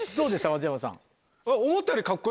松山さん。